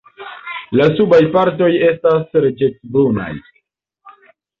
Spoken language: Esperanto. La subaj partoj estas ruĝecbrunaj.